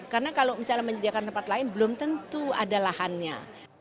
karena kalau misalnya menyediakan tempat lain belum tentu ada lahannya